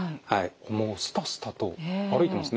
もうスタスタと歩いてますね。